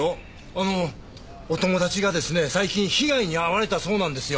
あのお友達がですね最近被害に遭われたそうなんですよ。